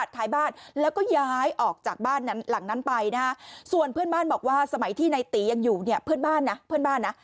ทะเลาะกับเพื่อนบ้านแบบนี้ประกัดท้ายบ้าน